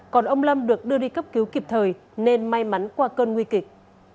còn ông lâm được đưa đi cấp cứu kịp thời nên may mắn qua cơn nguy kịch